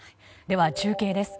では中継です。